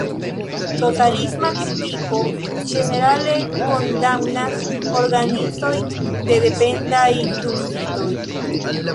Totalisma kritiko ĝenerale kondamnas organizojn de dependaj dungitoj.